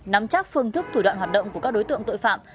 nắm chắc phương thức thủ đoạn hoạt động của các đối tượng tội phạm